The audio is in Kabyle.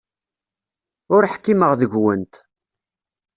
Ur ḥkimeɣ deg-went.